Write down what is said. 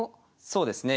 そうですね。